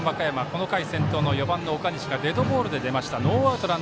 この回、先頭の４番、岡西がデッドボールで出ました。